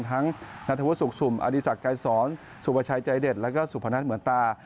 ทั้งนัฐวุศุกษุมน์อดีศักดิ์กายสอนสุประชายใจเด็ดแล้วก็สุพนัทเหมือนตา